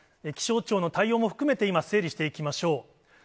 気象庁の対応も含めて、今、整理していきましょう。